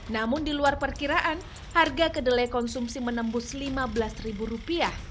namun di luar perkiraan harga kedelai konsumsi menembus lima belas ribu rupiah